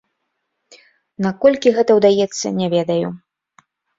Наколькі гэта ўдаецца, не ведаю.